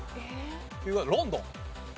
ロンドン。